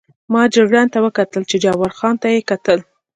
ما جګړن ته وکتل، چې جبار خان ته یې کتل.